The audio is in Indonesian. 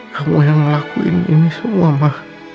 kamu yang ngelakuin ini semua mbak